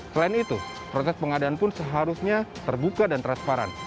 selain itu proses pengadaan pun seharusnya terbuka dan transparan